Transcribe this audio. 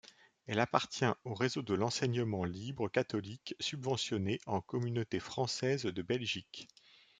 Elle appartient au réseau de l'enseignement libre catholique subventionné en Communauté française de Belgique.